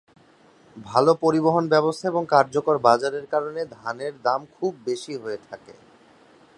ভাল পরিবহন ব্যবস্থা এবং কার্যকর বাজারের কারণে ধানের দাম খুব বেশি হয়ে থাকে।